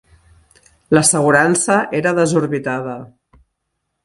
L'assegurança era desorbitada.